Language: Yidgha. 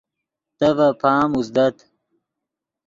تے ڤے پام اوزدت